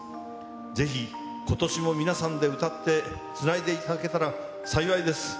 ぜひことしも皆さんで歌って、つないでいただけたら幸いです。